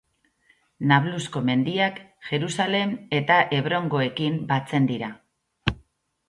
Nablusko mendiak Jerusalem eta Hebrongoekin batzen dira.